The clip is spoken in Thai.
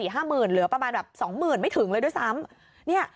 เหลือประมาณ๒๐๐๐๐ไม่ถึงเลยด้วยซ้ำ